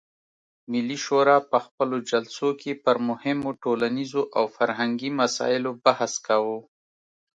ملي شورا په خپلو جلسو کې پر مهمو ټولنیزو او فرهنګي مسایلو بحث کاوه.